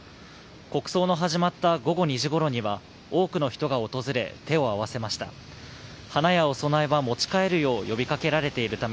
国葬の始まった午後２時ごろには多くの人が訪れ手を合わせました。